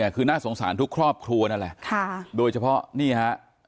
คือน่าสงสารทุกครอบครัวนั่นแหละโดยเฉพาะนี่ฮะ